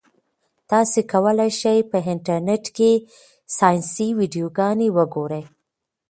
تاسي کولای شئ په انټرنيټ کې ساینسي ویډیوګانې وګورئ.